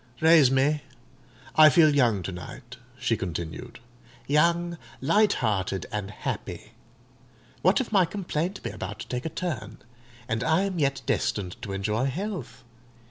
Raise me. I feel young to night," she continued: "young, light hearted, and happy. What if my complaint be about to take a turn, and I am yet destined to enjoy health?